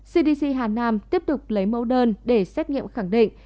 cdc hà nam tiếp tục lấy mẫu đơn để xét nghiệm khẳng định